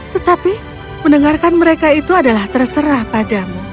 tetapi mendengarkan mereka itu adalah terserah padamu